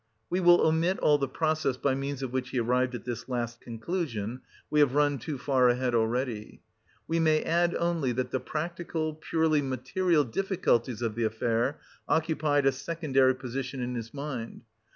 We will omit all the process by means of which he arrived at this last conclusion; we have run too far ahead already.... We may add only that the practical, purely material difficulties of the affair occupied a secondary position in his mind.